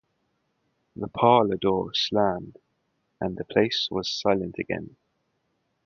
The parlour door slammed, and the place was silent again.